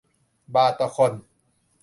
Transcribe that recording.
บาทต่อคน